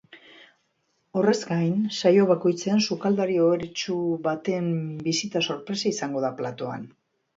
Horrez gain, saio bakoitzean sukaldari ohoretsu baten bisita sorpresa izango da platoan.